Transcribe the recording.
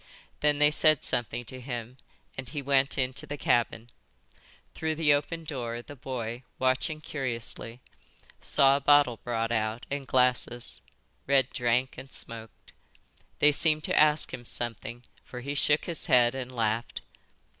Then they said something to him and he went into the cabin. Through the open door the boy, watching curiously, saw a bottle brought out and glasses. Red drank and smoked. They seemed to ask him something, for he shook his head and laughed.